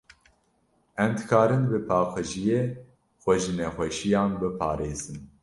Em dikarin bi paqijiyê, xwe ji nexweşiyan biparêzin.